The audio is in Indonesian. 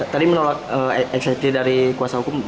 tadi menolak eksepsi dari kuasa hukum